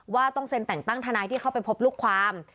ต้องเซ็นแต่งตั้งทนายที่เข้าไปพบลูกความ